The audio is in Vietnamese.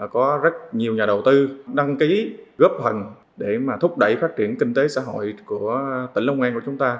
có rất nhiều nhà đầu tư đăng ký góp phần để thúc đẩy phát triển kinh tế xã hội của tỉnh long an của chúng ta